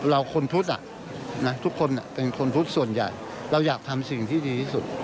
คนพุทธทุกคนเป็นคนพุทธส่วนใหญ่เราอยากทำสิ่งที่ดีที่สุด